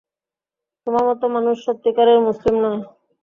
তোমার মতো মানুষ সত্যিকারের মুসলিম নয়।